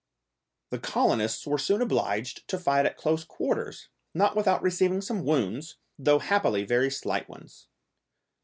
The colonists were soon obliged to fight at close quarters, not without receiving some wounds, though happily very slight ones.